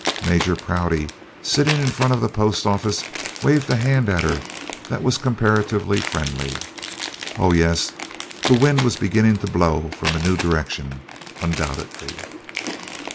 Major Prouty sitting in front of the post office waved a hand at her that was comparatively friendly. Oh, yes the wind was beginning to blow from a new direction, undoubtedly.